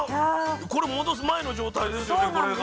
これ戻す前の状態ですよねこれが。